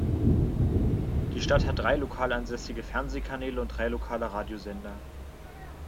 Die Stadt hat drei lokal ansässige Fernsehkanäle und drei lokale Radiosender.